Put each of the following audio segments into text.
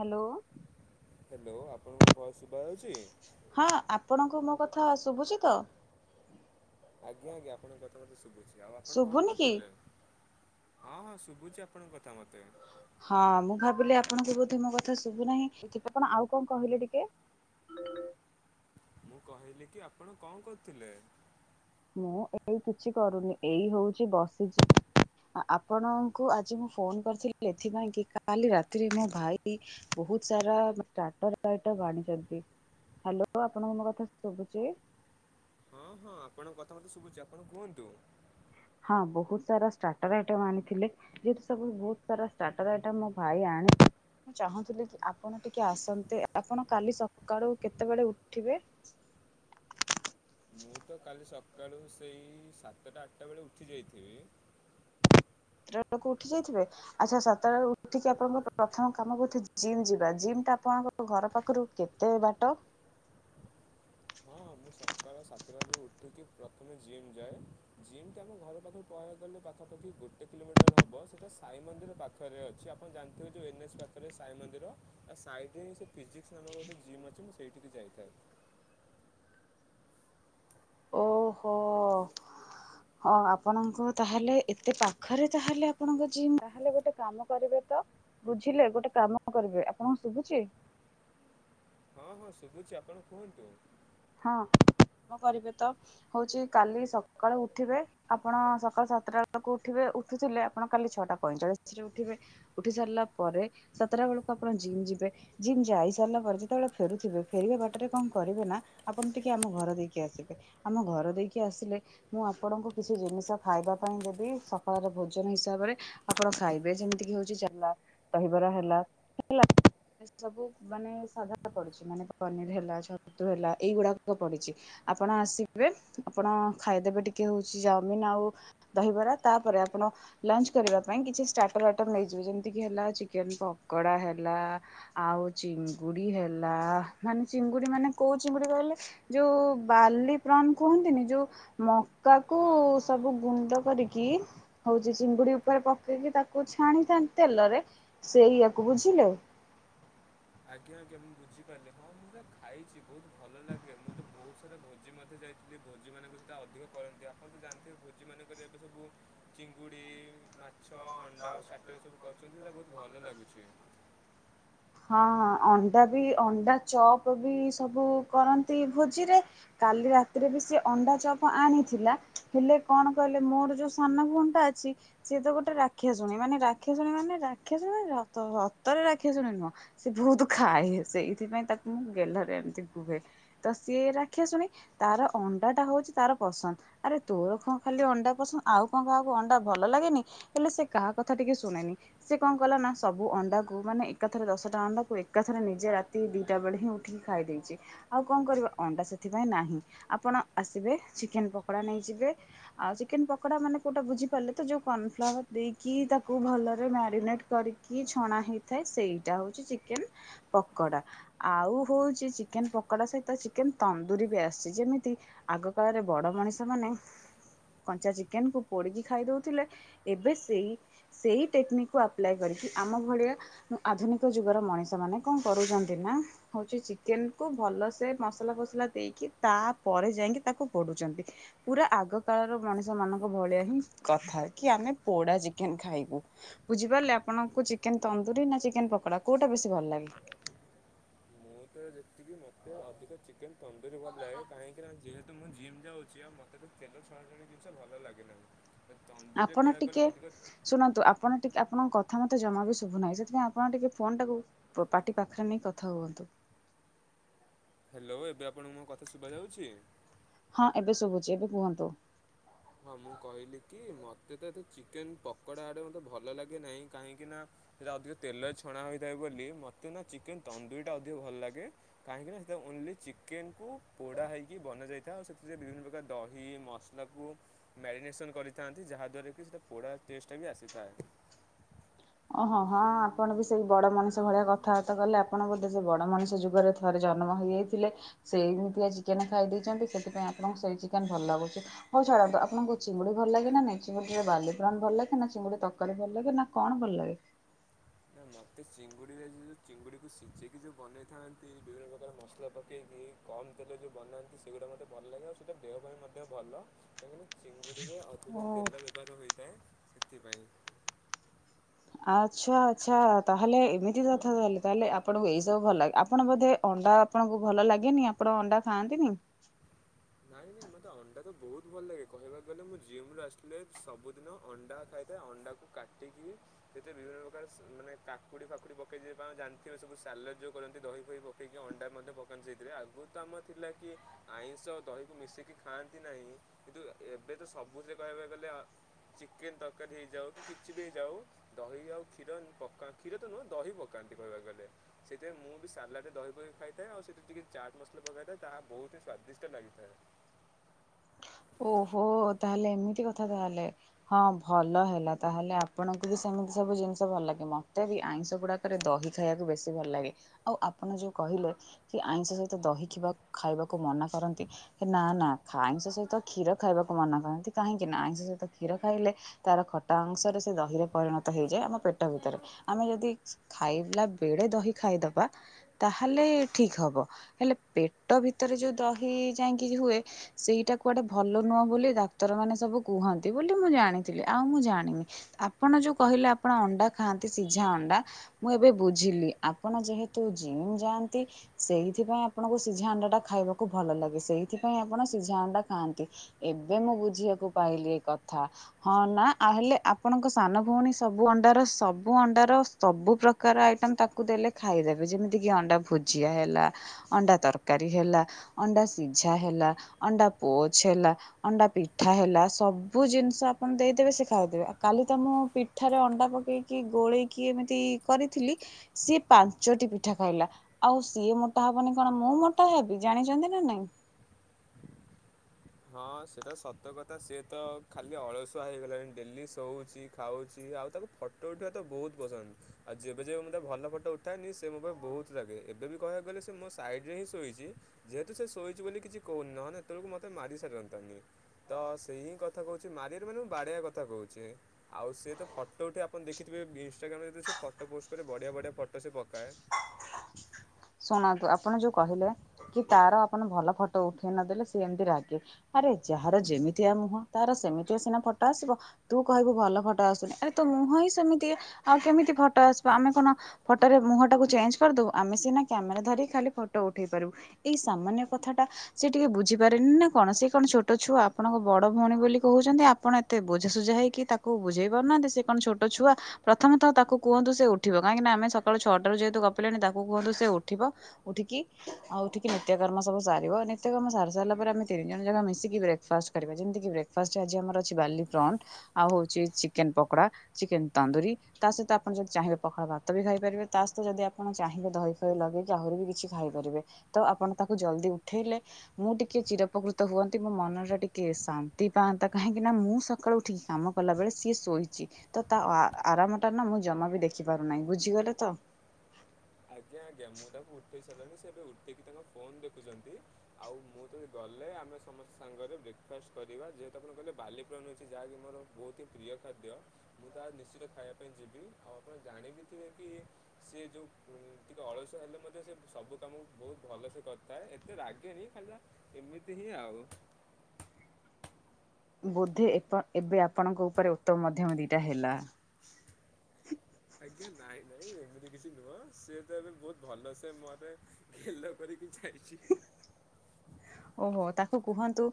Hello. Hello ଆପଣଙ୍କୁ ଭଏସେ ଶୁଭା ଯାଉଛି? ହଁ ଆପଣଙ୍କୁ ମୋ କଥା ଶୁଭୁଛି ତ? ଆଜ୍ଞା ଆଜ୍ଞା ଆପଣଙ୍କ କଥା ମୋତେ ଶୁଭୁଛି ଆଉ ଆପଣ କଣ ଶୁଭୁନି କି? କରୁଥିଲେ? ହଁ ହଁ ଶୁଭୁଛି ଆପଣଙ୍କ କଥା ମୋତେ। ହଁ ମୁଁ ଭାବିଲି ଆପଣଙ୍କୁ ବୋଧେ ମୋ କଥା ଶୁଭୁନାହିଁ ସେଥିପାଇଁ ଆଉ କଣ କହିଲେ ଟିକେ? ମୁଁ କହିଲି କି ଆପଣ କଣ କରୁଥିଲେ? ମୁଁ ଏଇ କିଛି କରୁନି ଏଇ ହଉଛିି ବସିଛି। ଆପଣଙ୍କୁ ଆଜି ମୁଁ ଫୋନ କରିଥିଲି ଏଥିପାଇଁ କି କାଲି ରାତିରେ ମୋ ଭାଇ ବହୁତସାରା ଷ୍ଟାର୍ଟର ଆଇଟମ ଆଣିଛନ୍ତି। ହ୍ୟାଲୋ ଆପଣଙ୍କୁ ମୋ କଥା ଶୁଭୁଛି? ହଁ ହଁ ଆପଣଙ୍କ କଥା ମତେ ଶୁଭୁଛି ଆପଣ କୁହନ୍ତୁ। ହଁ ବହୁତ ସାରା ଷ୍ଟାର୍ଟର ଆଇଟମ ଆଣିଥିଲେ। ଯେହେତୁ ସବୁ ବହୁତ ସାରା ଷ୍ଟାର୍ଟର ଆଇଟମ ମୋ ଭାଇ ଆଣି ମୁଁ ଚାହୁଁଥିଲି କି ଆପଣ ଟିକେ ଆସନ୍ତେ ଆପଣ କାଲି ସକାଳୁ କେତେବେଳେ ଉଠିବେ? ମୁଁ ତ କାଲି ସକାଳୁ ସେଇ ସାତଟା ଆଠଟା ବେଳେ ଉଠି ଯାଇଥିବି। ସାତ ଟା ଆଳକୁ ଉଠି ଯାଇଥିବେ? ଆଚ୍ଛା ସାତ ଟା ବେଳେ ଉଠିକି ଆପଣଙ୍କ ପ୍ରଥମ କାମ କ ଜିମ୍ ଯିବା ଜିମ୍ ଟା ଆପଣଙ୍କ ଘର ପାଖରୁ କେତେ ବାଟ? ହଁ ମୁଁ ସକାଳ ସାତଟାରୁ ଉଠିକି ପ୍ରଥମେ ଜିମ୍ ଯାଏ ଜିମ୍ ଆମ ଘର ପାଖରୁ କହିବାକୁ ଗଲେ ପାଖାପାଖି ଗୋଟେ କିଲୋମିଟର ହେବ ସେଇଟା ସାଇ ମନ୍ଦିର ପାଖରେ ଅଛି ଆପଣ ଜାଣିଥିବେ ଯୋଉ ଏନ୍ ଏଚ ପାଖରେ ରେ ସାଇ ମନ୍ଦିର ଆଉ ସାଇ ହିଁ ସେ ଫିଜିକ୍ସ ନାମର ଗୋଟେ ଜିମ୍ ଅଛି ମୁଁ ସେଇଠିକି ଯାଇଥାଏ। ଓହୋ। ହଁ ଆପଣଙ୍କ ତାହେଲେ ଏତେ ପାଖରେ ତାହେଲେ ଆପଣଙ୍କ ଜୀମ୍ ତାହେଲେ ଗୋଟେ କାମ କରିବେ ତ। ବୁଝିଲେ ଗୋଟେ କାମ କରିବେ ଆପଣଙ୍କୁ ଶୁଭୁଛି। ହଁ ହଁ ଶୁଭୁଛି ଆପଣ କୁହନ୍ତୁ? ହଁ କାମ କରିବେ ତ ହଉଛି କାଲି ସକାଳୁ ଉଠିବେ ଆପଣ ସକାଳ ସାତଟା ବେଳକୁ ଉଠିବେ ଉଠୁଥିଲେ ଆପଣ କାଲି ଛଅଟା ପଇଁଚାଳିଶ ରେ ଉଠିବେ? ଉଠି ସାରିଲା ପରେ ସାତଟା ବେଳକୁ ଆପଣ ଜିମ୍ ଯିବେ। ଜିମ ଯାଇ ସାରିଲା ପରେ ଯେତେବେଳେ ଫେରୁଥିବେ ଫେରିବା ବାଟରେ କଣ କରିବେ ନା? ଆପଣ ଟିକେ ଆମ ଘର ଦେଇକି ଆସିବେ ଆମ ଘର ଦେଇକି ଆସିଲେ ମୁଁ ଆପଣଙ୍କୁ କିଛି ଜିନିଷ ଖାଇବା ପାଇଁ ଦେବି ସକାଳର ଭୋଜନ ହିସାବରେ। ଆପଣ ଖାଇବେ ଯେମିତି କି ହଉଛି ଚାଲା ଦହିବରା ହେଲା ହେଲା। ସବୁ ମାନେ ସାଧା ପଡୁଛି ମାନେ ପନିର ହେଲା ଛତୁ ହେଲା। ଏଇଗୁଡ଼ାକ ପଡ଼ିଛି ଆପଣ ଆସିବେ ଆପଣ ଖାଇଦେବେ ଟିକେ ହେଉଛି ଚାଉମିିନ ଆଉ ଦହିବରା ତାପରେ ଆପଣ ଲଞ୍ଚ କରିବା ପାଇଁ କିଛି ଷ୍ଟାଟର୍ ଆଇଟମ ନେଇଯିବ ଯେମିତି ହେଲା ଚିକେନ ପକୋଡା ହେଲା। ଆଉ ଚିଙ୍ଗୁଡି ହେଲା ମାନେ ଚିଙ୍ଗୁଡି ମାନେ କୋଉ କୋଉ ଚିଙ୍ଗୁଡ଼ି କହିଲେ ଯୋଉ ବାଲିପ୍ରନ୍ କୁହନ୍ତିନି ଯୋଉ ମ ମକାକୁ ହଁ ହଁ ସବୁ ଗୁଣ୍ଡ କରିକି କି ହଉଛି ଚିଙ୍ଗୁଡି ଉପରେ ପକେଇକି ତାକୁ ଛାଣିଥାନ୍ତି ତେଲରେ। ସେଇୟାକୁ ବୁଝିଲେ। ଆଜ୍ଞା ଆଜ୍ଞା ମୁଁ ବୁଝିପାରିଲି ହଁ ମୁଁ ଯ ଖାଇଛି ବହୁତ ଭଲ ଲାଗେ ମୁଁ ତ ବହୁତ ସାରା ଭୋଜି ମଧ୍ୟ ଯାଇଥିଲି ଭୋଜିମାନଙ୍କୁ ସେଇଟା ଅଧିକ କରନ୍ତି ଆପଣ ତ ଜାଣିଥିବେ ଭୋଜି ମାନେ କରିବାକୁ ସବୁ ଚିଙ୍ଗୁଡ଼ି, ମାଛ, ଅଣ୍ଡା ଷ୍ଟାଟର୍ ସବୁ କରୁଛନ୍ତି। ତାହା ବହୁତ ଭଲ ଲାଗୁଛି। ହଁ ଅଣ୍ଡା ବି ଅଣ୍ଡା ଚପ୍ ବି ସବୁ କରନ୍ତି ଭୋଜିରେ। କାଲି ରାତିରେ ବି ସେ ଅଣ୍ଡା ଚପ୍ ଆଣିଥିଲା ହେଲେ କଣ କହିଲେ ମୋର ଯୋଉ ସାନ ଭଉଣୀଟା ଅଛି ସିଏ ତ ଗୋଟେ ରା ରାକ୍ଷାଶୁଣି ମାନେ ରାକ୍ଷାଶୁଣୀ ମାନେ ରାକ୍ଷାଶୁଣି ସତରେ ରାକ୍ଷାଶୁଣି ନୁହଁ। ସେ ବହୁତ ଖାଏ ସେଇଥିପାଇଁ ତାକୁ ମୁଁ ଗେଲରେ ଏମିତି କୁହେ ତ ସିଏ ରାକ୍ଷାଶୁଣି। ତାର ଅଣ୍ଡାଟା ହଉଛି ତାର ପସନ୍ଦ। ଆରେ ତୋର କଣ ଖାଲି ଅଣ୍ଡା ପସନ୍ଦ ଆଉ କଣ କାହାକୁ ଅଣ୍ଡା ଭଲ ଲାଗେନି? ହେଲେ ସେ କାହା କଥା ଟିକେ ଶୁଣେନି। ସେ କଣ କଲା ନା ସବୁ ଅଣ୍ଡାକୁ ମାନେ ଏକା ଥରେ ଦଶଟା ଅଣ୍ଡା କୁ ଏକାଥରେ ନିଜେ ରାତି ଦିଟା ବେଳେ ହିଁ ଉ ଠିକି ଖାଇ ଦେଇଛି। ଆଉ କଣ କରିବ ଅଣ୍ଡା ସେଥିପାଇଁ ନାହିଁ ଆପଣ ଆସିବେ ଚିକେନ ପକୋଡା ନେଇଯିବେ? ଆଉ ଚିକେନ ପକଡା ମାନେ କୋଟା ବୁଝିପାରିଲେ ଯୋଉ କର୍ନଫ୍ଲାୱାର। ଦେଇକି ତାକୁ ଭଲରେ ମ୍ୟାରିନେଟ କରିକି ଛଣା ହେଇଥାଏ ସେଇଟା ହଉଛି ଚିକେନ ପକଡ଼ା। ଆଉ ହଉଛି ଚିକେନ ପକୋଡା ସହିତ ଚିକେନ ତନ୍ଦୁରୀ ବି ଆସିଛି ଯେମିତି ଆଗ କାଳରେ ବଡ ମଣିଷ ମାନେ କଞ୍ଚା ଚିକେନକୁ ପୋଡିକି ଖାଇ ଦଉଥିଲେ? ଏବେ ସେଇ ସେଇ ଟେକ୍ନିକ୍ ଆପ୍ଲାଏ କରିକି ଆମ ଭଳିଆ ଆଧୁନିକ ଯୁଗର ମଣିଷ ମାନେ କଣ କରୁଛନ୍ତି ନା? ହଉଛି ଚିକେନକୁ ଭଲସେ ମସଲା ଫସଲା ଦେଇକି ତା ପରେ ଯାଇକି ତାକୁ ପୋଡୁଛନ୍ତି? ପୁରା ଆଗ କାଳର ମଣିଷ ମାନଙ୍କ ଭଳିଆ ହିଁ କଥା କି ଆମେ ପୋଡା ଚିକେନ ଖାଇବୁ? ବୁଝିପାରିଲେ ଆପଣଙ୍କୁ ଚିକେନ ତନ୍ଦୁରୀ ନା ଚିକେନ ପକୋଡା କୋଉଟା ବେଶୀ ଭଲ ଲାଗେ? ହ ମୁଁ [unintelligible] ତ ଯେତିକି ମୋତେ ଅଧିକ ଚିକେନ୍ ତନ୍ଦୁରି ଭଲ ଲାଗେ କାହିଁକିନା ଯେହେତୁ ମୁଁ ଜିମ୍ ଯାଉଛି ଆଉ ମୋତେ ତ ତେଲ ଛଣା ଛଣି ଜିନିଷ ଭଲ ଲାଗେନାହିଁ। ଆପଣ ଟିକେ ଶୁଣନ୍ତୁ ଆପଣ ଟିକେ ଆପଣଙ୍କ କଥା ମତେ ଜମା ବି ଶୁଭୁନାଇଁ ସେଥିପାଇଁ ଆପଣ ଟିକେ ଫୋନଟା କୁ ପ ପାଟି ପାଖରେ ନେଇ କଥା ହୁଅନ୍ତୁ। ହ୍ୟାଲୋ ଏବେ ଆପଣଙ୍କୁ ମୋ କଥା ଶୁଭାଯାଉଛି? ହଁ ଏବେ ଶୁଭୁଛି ଏବେ କୁହନ୍ତୁ? ହଁ ମୁଁ କହିଲି କି ମତେ ତ ଏତେ ଚିକେନ ପକୋଡା ଆଡେ ମତେ ଭଲ ଲାଗେ ନାହିଁ କାହିଁକି ନା ସେରା ଅଧିକ ତେଲରେ ଛଣା ହୋଇଥାଏ ବୋଲି ମୋତେ ନା ଚିକେନ ତନ୍ଦୁରୀଟା ଅଧିକ ଭଲ ଲାଗେ। କାହିଁକି ନା ସେଟା ଓନ୍ଲି ଚିକେନକୁୁ ପୋଡା ହେଇକି ବନା ଯାଇଥାଏ ଆଉ ସେଥିରେ ବିଭିନ୍ନ ପ୍ରକାର ଦହି ମସ ତାକୁ ମ୍ୟାରିନେସନ୍ କରିଥାନ୍ତି ଯାହାଦ୍ୱାରା କି ସେଟା ପୋଡ଼ା ଟେଷ୍ଟଟା ବି ଆସିଥାଏ। ଓହୋ ହଁ ଆପଣ ବି ସେଇ ବଡ ମଣିଷ ଭଳିଆ କଥାବାର୍ତା କଲେ ଆପ ଆପଣ ବୋଧେ ସେ ବଡ଼ ମଣିଷ ଯୁଗରେ ଥରେ ଜନ୍ମ ହୋଇଯାଇଥିଲେ। ସେଇମିତିଆ ଚିକେନ ଖାଇ ଦେଇଛନ୍ତି ସେଥିପାଇଁ ଆପଣଙ୍କୁ ସେଇ ଚିକେନ ଭଲ ଲାଗୁଛି। ହଉ ଛାଡ଼ନ୍ତୁ ଆପଣଙ୍କୁ ଚିଙ୍ଗୁଡି ଭଲ ଲାଗେ ନା ନାଁଇ ଚିଙ୍ଗୁଡିରେ ବାଲିକ୍ରମ ଭଲ ଲାଗେ ନା ଚିଙ୍ଗୁଡି ତରକାରୀ ଭଲ ଲାଗେ ନା କଣ ଭଲ ଲାଗେ? ମତେ ଚିଙ୍ଗୁଡ଼ିରେ ଯେ ଯେଉଁ ଚିଙ୍ଗୁଡ଼ିକୁ ସିଝେଇକି ଯେଉଁ ବନେଇଥାନ୍ତି ବିଭିନ୍ନ ପ୍ରକାର ମସଲା ପକେଇକି। କମ୍ ତେଲରେ ଯେଉଁ ବନାନ୍ତି ସେଗୁଡ଼ା ମୋତେ ଭଲ ଲାଗେ ଆଉ ସେଇଟା ଦେହ ପାଇଁ ମଧ୍ୟ ଭଲ। କାରଣ ଚିଙ୍ଗୁଡ଼ିରେ ଅଧିକ ତେଲ ବ୍ୟବହାର ହୋଇଥାଏ ସେଥିପାଇଁ। ଆଚ୍ଛା ଆଚ୍ଛା ତାହେଲେ ଏମିତି କଥା ତାହଲେ ତାହେଲେ ଆପଣଙ୍କୁ ଏଇ ସବୁ ଭଲ ଲାଗେ। ଆପଣ ବୋଧେ ଅଣ୍ଡା ଆପଣଙ୍କୁ ଭଲ ଲାଗେନି ଆପଣ ଅଣ୍ଡା ଖାଆନ୍ତିନି? ନାଇଁ ନାଇଁ ମତେ ଅଣ୍ଡା ତ ବହୁତ ଭଲ ଲାଗେ କହିବାକୁ ଗଲେ ମୁଁ ଜିମ୍ ଆସିଲେ ସବୁଦିନ ଅଣ୍ଡା ଖାଇଥାଏ। ଅଣ୍ଡାକୁ କାଟିକିରି ସେଥିରେ ବିଭିନ୍ନ ପ୍ରକାର ମାନେ କାକୁଡି ଫାକୁଡି ପକେଇିବ ଜାଣିଥିବେ ସବୁ ସାଲଡ ଯୋଉ କରନ୍ତି ଦହି ଫହି ଟିକେ ଅଣ୍ଡା ମଧ୍ୟ ପକାନ୍ତି ସେଇଥିରେ। ଆଗରୁ ତ ଆମର ଥିଲା କି ଆଇଁଷ ଦହିକୁ ମିଶେଇକି ଖାଆନ୍ତି ନାହିଁ କିନ୍ତୁ ଏବେ ତ ସବୁଥିରେ କହିବାକୁ ଗଲେ ଚିକେନ୍ ତରକାରୀ ହେଇଯାଉ କି କିଛି ବି ହେଇଯାଉ ଦହି ଆଉ କ୍ଷୀର ନ ପକ କ୍ଷୀର ତ ନୁହଁ ଦହି ପକାନ୍ତି କହିବାକୁ ଗଲେ। ସେଇଥିପାଇଁ ମୁଁ ବି ସାଲାଡ ରେ ଦହି ପକେଇକି ଖାଇଥାଏ ଆଉ ସେଥିରେ ଟିକେ ଚାଟ୍ ମସଲା ପକାଇଥାଏ ତାହା ବହୁତ ହି ସ୍ଵାଦିଷ୍ଟ ଲାଗେ। ହ ଓହୋ ତାହେଲେ ଏମିତି କଥା ତାହେଲେ। ହଁ ଭଲ ହେଲା ତାହେଲେ ଆପଣଙ୍କୁ ବି ସେମିତି ସବୁ ଜିନିଷ ଭଲ ଲାଗେ। ମତେ ବି ଆଇଁଷ ଗୁଡାକ ରେ ଦହି ଖାଇବାକୁ ବେଶୀ ଭଲ ଲାଗେ। ଆଉ ଆପଣ ଯୋଉ କହିଲେ କି ଆଇଁଷ ସହିତ ଦହି କିମ୍ବା ଖାଇବାକୁ ମନା କରନ୍ତି, ହେ ନା ନା ଖା ଆଇଁଷ ସହିତ କ୍ଷୀର ଖାଇବାକୁ ମନା କରନ୍ତି କାହିଁକି ନା ଆଇଁସ ସହିତ କ୍ଷୀର ଖାଇଲେ ତାର ଖଟା ଅଂଶରେ ସେ ଦହିରେ ପରିଣତ ହେଇଯାଏ ଆମ ପେଟ ଭିତରେ। ଆମେ ଯଦି ଖାଇଲା ବେଳେ ଦହି ଖାଇଦବା ତାହେଲେ ଠିକ ହବ। ହେଲେ ପେଟ ଭିତରେ ଯୋଉ ଦହି ଯାଇକି ହୁଏ ସେଇଟାକୂ କୁଆଡ଼େ ଭଲ ନୁହଁ ବୋଲି ଡାକ୍ତରମାନେ ସବୁ କୁହନ୍ତି ବୋଲି ମୁଁ ଜାଣିଥିଲି ଆଉ ମୁଁ ଜାଣିନି। ଆପଣ ଯୋଉ କହିଲେ ଆପଣ ଅଣ୍ଡା ଖାଆନ୍ତି ସିଝା ଅଣ୍ଡା ମୁଁ ଏବେ ବୁଝିଲି ଆପଣ ଯେହେତୁ ଜିମ୍ ଯାଆନ୍ତି ସେଇଥିପାଇଁ ଆପଣଙ୍କୁ ସିଝା ଅଣ୍ଡାଟା ଖାଇବାକୁ ଭଲ ଲାଗେ। ସେଇଥିପାଇଁ ଆପଣ ସିଝା ଅଣ୍ଡା ଖାଆନ୍ତି। ଏବେ ମୁଁ ବୁଝିବାକୁ ପାଇଲି ଏ କଥା ହଁ ନା ହେଲେ ଆପଣଙ୍କ ସାନ ଭଉଣୀ ସବୁ ଅଣ୍ଡାର ସବୁ ଅଣ୍ଡାର ସବୁ ପ୍ରକାର ଆଇଟମ ତାକୁ ଦେଲେ ଖାଇଦେବେ ଯେମିତି କିି ଅଣ୍ଡା ଭୁଜିଆ ହେଲା ଅଣ୍ଡା ତରକାରୀ ହେଲା, ଅଣ୍ଡା ସିଝା ହେଲା, ଅଣ୍ଡା ପୋଚ ହେଲା ଅଣ୍ଡା ପିଠା ହେଲା ସବୁ ଜିନିଷ ଆପଣ ଦେଇଦେବେ ସେ ଖାଉଥିବ। କାଲି ତ ମୁଁ ପି ପିଠାରେ ଅଣ୍ଡା ପକେଇକି ଗୋଳେଇକି ଏମିତି କରିଥିଲି ସିଏ ପାଞ୍ଚଟି ପିଠା ଖାଇଲା। ଆଉ ସିଏ ମୋଟା ହବନି କଣ ମୁଁ ମୋଟା ହେବି? ଜାଣିଛନ୍ତି ନା ନାଇଁ। ହଁ ସେଇଟା ସତ କଥା ସିଏ ତ ଖାଲି ଅଳସୁଆ ହେଇଗଲାଣି, ଡେଲି ଶୋଉଚି, ଖାଉଚି, ଆଉ ତାକୁ ଫଟୋ ଉଠେଇବା ତ ବହୁତ ପସନ୍ଦ। ଆଉ ଯେବେ ଯେବେ ମୁଁ ତା ଭଲ ଫଟୋ ଉଠାଏନି ସେ ମୋ ଉପରେ ବହୁତ ରାଗେ। ଏବେ ବି କହିବାକୁ ଗଲେ ସେ ମୋ ସାଇଡ୍ ରେ ହିଁ ଶୋଇଚି। ଯେହେତୁ ସେ ଶୋଇଚି ବୋଲି କିଛି କହୁନି, ନହେନେ ଏ ତବେଳକୁ ମୋତେ ମାରି ସାରନ୍ତାନି। ତ ସେଇ ହିଁ କଥା କହୁଛି ମାରିବନି ମାନେ ମୁଁ ବାଡେଇଆ କଥା କହୁଛି। ଆଉ ସେ ତ ଫଟୋ ଉଠେ ଆପଣ ଦେଖଥିବେ ଇନଷ୍ଟଟାଗ୍ରାମରେ ତ ସେ ଫଟୋ ପୋଷ୍ଟ କରେ ବଢିଆ ବଢିଆ ଫଟୋ ସେ ପକାଏ। ଶୁଣନ୍ତୁ ଆପଣ ଯୋଉ କହିଲେ କି ତାର ଆପଣ ଭଲ ଫଟୋ ଉଠେଇ ନଦେଲେ ସିଏ ଏମିତି ରାଗେ। ଆରେ ଯାହାର ଯେମିତିଆ ମୁହଁ ତାର ସେମିତିଆ ସିନା ଫଟୋ ଆସିବ। ତୁ କହିବୁ ଭଲ ଫଟୋ ଆସୁନି, ଆରେ ତ ମୁହଁ ହିଁ ସେମିତି ଆଉ କେମିତି ଫଟୋ ଆସିବ, ଆମେ କଣ ଫଟୋରେ ମୁହଁ ଟାକୁ ଚେଞ୍ଜ କରିଦବୁ, ଆମେ ସିନା କ୍ୟାମେରା ଧରି ଖାଲି ଫଟୋ ଉଠେଇ ପାରିବୁ। ଏଇ ସାମାନ୍ୟ କଥା ଟା ସେ ଟିକେ ବୁଝିପାରେନି ନା କଣ? ସେ କଣ ଛୋଟ ଛୁଆ? ଆପଣଙ୍କ ବଡ ଭଉଣୀ ବୋଲି କହୁଛନ୍ତି। ଆପଣ ଏ ତେ ବୁଝାସୁଜା ହେଇକି ତାକୁ ବୁଝେଇ ପାରୁନାହାନ୍ତି। ସେ କଣ ଛୋଟ ଛୁଆ? ପ୍ରଥମତଃ ତାକୁ କୁହନ୍ତୁ ସେ ଉଠିବ। କାହିଁକିନା ଆମେ ସକାଳୁ ଛଅଟାରୁ ଯେହେତୁ ଗପିଲେଣି ତାକୁ କୁହନ୍ତୁ ସେ ଉଠିବ। ଉଠିକି ଆଉ ଉଠିକି ନିତ୍ୟକର୍ମ ସବୁ ସାରିବ। ନିତ୍ୟକର୍ମ ସାରି ସାରିଲା ପରେ, ଆମେ ତିନି ଜଣ ଯାକ ମିଶିକି ବ୍ରେକଫାଷ୍ଟ କରିବା ଯେମତି କି ବ୍ରେକଫାଷ୍ଟ ରେ ଆଜି ଆମର ଅଛି ବାଲି ପ୍ରଣ୍ଟ ଆଉ ହଉଛି ଚିକେନ୍ ପକୋଡା ଚିକେନ୍ ତନ୍ଦୁରୀ ତା ସହିତ ଆପଣ ଯଦି ଚାହିଁବେ ପଖାଳ ଭାତ ବି ଖାଇପାରିବେ। ତା ସହିତ ଯଦି ଆପଣ ଚାହିଁବେ ଦହି ଫହି ଲଗେଇ ଯେ ଆହୁରି ବି କିଛି ଖାଇପାରିବେ। ତ ଆପଣ ତାକୁ ଜଲଦି ଉଠେଇଲେ ମୁଁ ଟିକେ ଚିରଉପକୃତ ହୁଅନ୍ତି, ମୋ ମନରେ ଟିକେ ଶାନ୍ତି ପାଆନ୍ତା, କାହିଁକି ନା ମୁଁ ସକାଳୁ ଉଠିକି କାମ କଲା ବେଳେ ସିଏ ଶୋଇଚି, ତ ତା ଆ, ଆରାମଟା ନା ମୁଁ ଜମା ବି ଦେଖିପାରୁ ନାଇଁ, ବୁଝିଗଲେ ତ? ଆଜ୍ଞା ଆଜ୍ଞା ମୁଁ ତାକୁ ଉଠେଇ ସାରିଲାଣି ସେ ଏବେ ଉଠିକି ତାଙ୍କ ଫୋନ୍ ଦେଖୁଚନ୍ତି। ଆଉ ମୁଁ ଯଦି ଗଲେ ଆମେ ସମସ୍ତେ ସାଙ୍ଗରେ ବ୍ରେକଫାଷ୍ଟ କରିବା। ଯେହେତୁ ଆପଣ କହିଲେ ବାଲି ପ୍ରନ୍ ହେଇଚଛି ଯାହାକି ମୋର ବହୁତି ପ୍ରିୟ ଖାଦ୍ୟ। ମୁଁ ତାହା ନିଶ୍ଚିତ ଖାଇବା ପାଇଁ ଯିବିି। ଆଉ ଆପଣ ଜାଣିବି ଥିବେ କି ସିଏ ଯୋଉ ଉଁ, ଟିକେ ଅଳସୁଆ ହେଲେ ମଧ୍ୟ ସେ ସବୁ କାମକୁ ବହୁତ ଭଲସେ କରିଥାଏ। ଏତେ ରାଗେନି ଖାଲି ଯାହା ଏମିତି ହିଁ ଆଉ। ବୋଧେ ଏପ ଏବେ ଆପଣଙ୍କ ଉପରେ ଉତ୍ତମ ମଧ୍ୟମ ଦିଟା ହେଲା। ଆଜ୍ଞା, ନାଇଁ, ନାଇଁ ଏମିତି କିଛି ନୁଅ, ସିଏ ତ ଏବେ ବହୁତ ଭଲ ସେ ମୋତେ ଗେଲ କରିକି ଛାଡିଛି। ଓହୋ, ତାକୁ କୁହନ୍ତୁ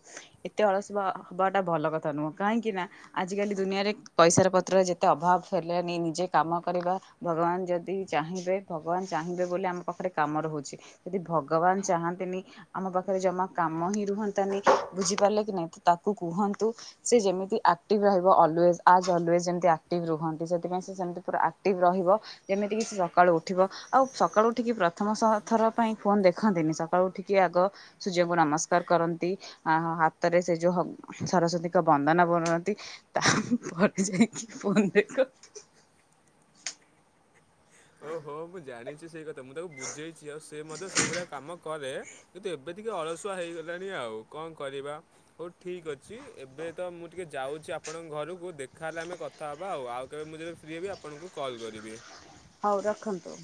ଏତେ ଅଳସୁଆ ହବା ଟା ଭଲ କଥା ନୁହଁ। କାହିଁକି ନା ଆଜିକାଲି ଦୁନିଆରେ ପଇସାର ପତ୍ର ଯେତେ ଅଭାବ ହେଲେନି ନିଜେ କାମ କରିବା ଭଗବାନ ଯଦି ଚାହିଁବେ, ଭଗବାନ ଚାହିଁବେ ବୋଲି ଆମ ପାଖରେ କାମ ରହୁଚି। ଯଦି ଭଗବାନ ଚାହାନ୍ତିଁ ନି ଆମ ପାଖ ଖରେ ଜମା କାମ ହିଁ ରୁହନ୍ତାନି, ବୁଝିପାରିଲ କି ନାହିଁ? ତ ତାକୁ କୁହନ୍ତୁ ସେ ଯେମିତି ଆକ୍ଟିଭ୍ ରହିବ ଅଲୱେଜ୍, ଆଜ୍ ଅଲୱେଜ୍ ଯେମିତେ ଆକ୍ଟିଭ୍ ରୁହନ୍ତି, ସେଥିପାଇଁ ସେ ସେମିତି ପୁରା ଆକ୍ଟିଭ୍ ରହିବ। ଯେମିତି କିି ସିଏ ସକାଳୁ ଉଠିବ, ଆଉ ସକାଳୁ ଉଠିକି ପ୍ରଥମ ସହ ଥର ପାଇଁ ଫୋନୂ ଦେଖନ୍ତିନି। ସ କାଳୁ ଉଠିକି ଆଗ ସୂର୍ଯ୍ୟଙ୍କୁ ନମସ୍କାର କରନ୍ତି ଆଁ, ହଁ ହାତରେ ସେ ଯୋଉ ହକ୍ ସରସ୍ୱତୀଙ୍କ ବନ୍ଦନା ବୋଲନ୍ତି। ତା ପରେ ଯାଇକି ଫୋନ୍ ଦେଖ। ଓହୋ, ମୁଁ ଜାଣିଚି ସେଇ କଥା ମୁଁ ତାକୁ ବୁଝେଇଛି ଆଉ ସେ ମଧ୍ୟ ସେଇଭଳିଆ କାମ କରେ। କିନ୍ତୁ ଏବେ ଟିକେ ଅଳସୁଆ ହେଇଗଲାଣି ଆଉ କଣ କରିବା? ହଉ ଠିକ ଅଛି, ଏବେ ତ ମୁଁ ଟିକେ ଯାଉଛି ଆପଣଙ୍କ ଘରକୁ ଦେଖା ହେଲେ ଆମେ କ ଥା ହେବା ଆଉ ଆଉ କେବେ ମୁଁ ଯେବେ ଫ୍ରି ହେବି ଆପଣଙ୍କୁ କଲ୍ କରିବି। ହଉ ରଖନ୍ତୁ।